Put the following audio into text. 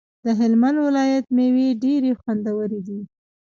د هلمند ولایت ميوی ډيری خوندوری دی